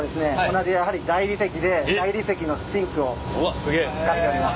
同じやはり大理石で大理石のシンクを使っております。